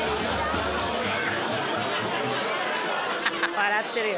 笑ってるよ。